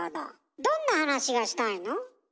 どんな話がしたいの？